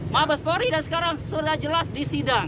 mabes pori dan sekarang sudah jelas disidang